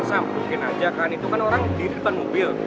eh sam mungkin aja kan itu kan orang diri depan mobil